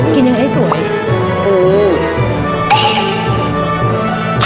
กินอย่างให้สวย